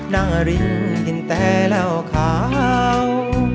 นั่งรินกินแท้เหล้าขาว